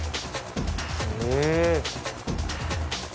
へえ